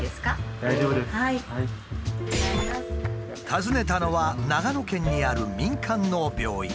訪ねたのは長野県にある民間の病院。